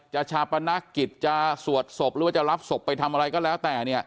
ชาปนกิจจะสวดศพหรือว่าจะรับศพไปทำอะไรก็แล้วแต่เนี่ย